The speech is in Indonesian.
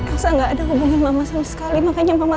elisa gak ada hubungan sama mama